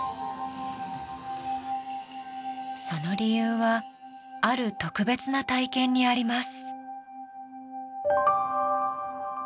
その理由はある特別な体験にあります。